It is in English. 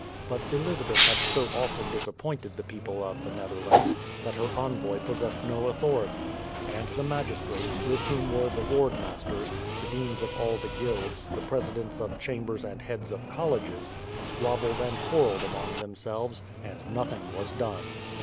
But Elizabeth had so often disappointed the people of the Netherlands that her envoy possessed no authority, and the magistrates, with whom were the ward masters, the deans of all the guilds, the presidents of chambers and heads of colleges, squabbled and quarrelled among themselves, and nothing was done.